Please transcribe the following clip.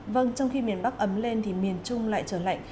vâng trong khi miền bắc ấm lên thì miền trung lại trở lạnh